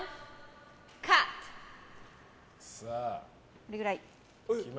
これくらい。